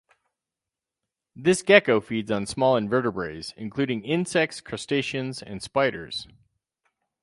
This gecko feeds on small invertebrates, including insects, crustaceans and spiders.